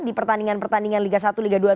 di pertandingan pertandingan liga satu liga dua